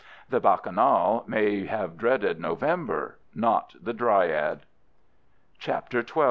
The bacchanal may have dreaded November, not the dryad. CHAPTER XII.